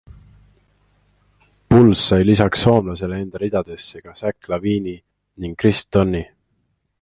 Bulls sai lisaks soomlasele enda ridadesse ka Zach Lavine'i ning Kris Dunni.